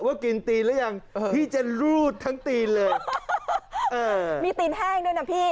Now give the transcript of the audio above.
ว่ากินตีนหรือยังพี่จะรูดทั้งตีนเลยเออมีตีนแห้งด้วยนะพี่